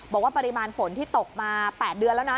บอกว่าปริมาณฝนที่ตกมา๘เดือนแล้วนะ